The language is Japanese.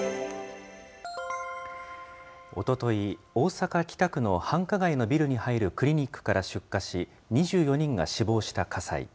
おととい、大阪・北区の繁華街のビルに入るクリニックから出火し、２４人が死亡した火災。